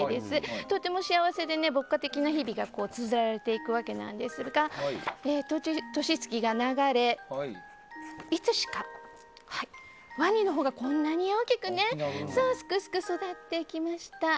とても幸せで牧歌的な日々がつづられていくわけなんですが年月が流れいつしかワニのほうがこんなに大きくすくすく育っていきました。